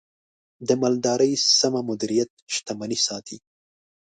د مالدارۍ سمه مدیریت، شتمني ساتي.